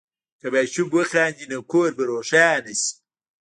که ماشوم وخاندي، نو کور به روښانه شي.